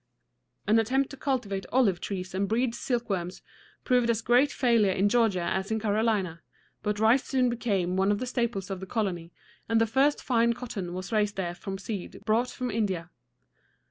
An attempt to cultivate olive trees and breed silkworms proved as great a failure in Georgia as in Carolina; but rice soon became one of the staples of the colony, and the first fine cotton was raised there from seed brought from India.